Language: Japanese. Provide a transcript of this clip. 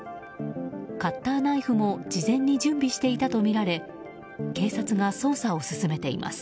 カッターナイフも事前に準備していたとみられ警察が捜査を進めています。